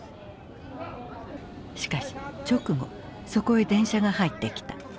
しかし直後そこへ電車が入ってきた。